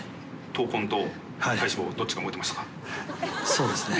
そうですね。